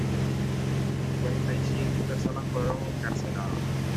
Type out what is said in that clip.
Cincuenta y siete personas fueron encarcelados.